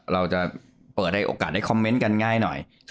เราจะเปิดให้โอกาสได้คอมเมนต์กันง่ายหน่อย